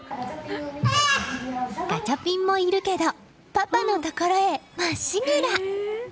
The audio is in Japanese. ガチャピンもいるけどパパのところへまっしぐら！